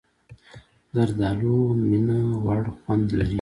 زردالو مینهوړ خوند لري.